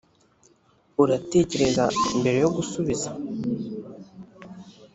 uratekereza mbere yo gusubiza